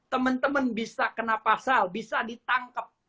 teman teman bisa kena pasal bisa ditangkap